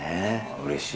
うれしい。